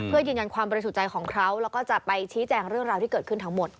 เพื่อยืนยันความบริสุทธิ์ใจของเขาแล้วก็จะไปชี้แจงเรื่องราวที่เกิดขึ้นทั้งหมด